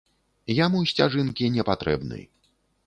Яму сцяжынкі не патрэбны.